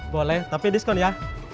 boleh tapi diskon ya